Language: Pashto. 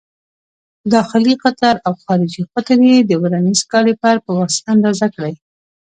داخلي قطر او خارجي قطر یې د ورنیز کالیپر په واسطه اندازه کړئ.